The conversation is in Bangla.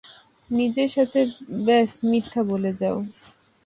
নিজের সাথে ব্যস মিথ্যা বলে যাও।